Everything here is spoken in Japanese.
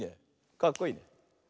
かっこいいね。